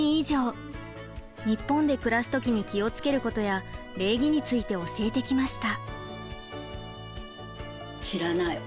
日本で暮らす時に気をつけることや礼儀について教えてきました。